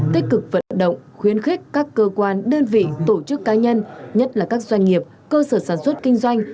tích cực vận động khuyến khích các cơ quan đơn vị tổ chức cá nhân nhất là các doanh nghiệp cơ sở sản xuất kinh doanh